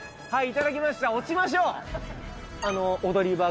はいいただきました